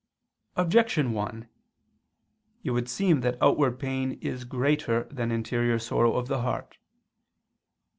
Objection 1: It would seem that outward pain is greater than interior sorrow of the heart.